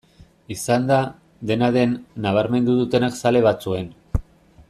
Izan da, dena den, nabarmendu dutenak zale batzuen.